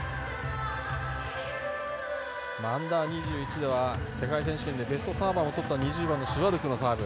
Ｕ‐２１では世界選手権でベストサーバーをとった２０番のシュワルクのサーブ。